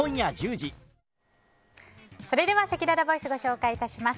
では、せきららボイスご紹介いたします。